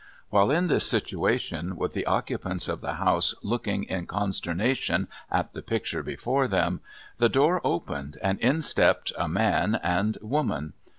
While in this situation, with the occupants of the house looking in consternation at the picture before them, the door opened, and in stepped a man and woman.